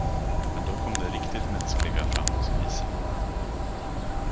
Men då kom det riktigt mänskliga fram hos grisen.